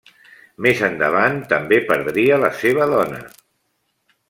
Més endavant també perdria la seva dona.